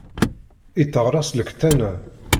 Itteɣraṣ lkettan-a.